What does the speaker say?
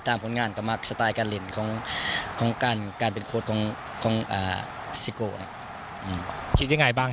การเล่นบาเซียนคำพูดจะบางอย่าง